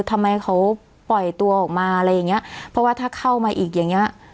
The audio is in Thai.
ทำไมเขาปล่อยตัวออกมาอะไรอย่างเงี้ยเพราะว่าถ้าเข้ามาอีกอย่างเงี้ย